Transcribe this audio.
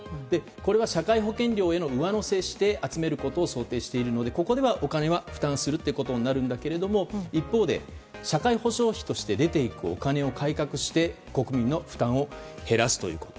これは社会保険料への上乗せをして集めることを想定しているのでここではお金を負担することになるんだけれども一方で、社会保障費として出て行くお金を改革して国民の負担を減らすということ。